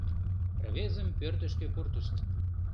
Рвезым пӧртышкӧ пуртышт.